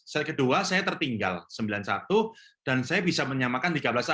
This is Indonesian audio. saya kedua saya tertinggal sembilan satu dan saya bisa menyamakan tiga belas sama